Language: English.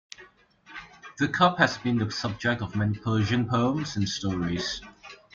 The cup has been the subject of many Persian poems and stories.